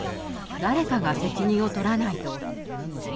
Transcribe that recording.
誰かが責任を取らないと。